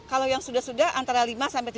kalau yang sudah sudah antara lima sampai tujuh hari